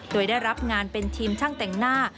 โดยได้รับงานเป็นทีมช่างแต่งหน้า